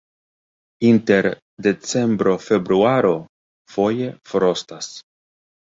Inter decembro-februaro foje frostas.